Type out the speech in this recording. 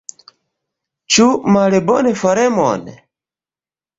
Ĉu malbonfaremon?